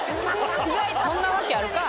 そんなわけあるか！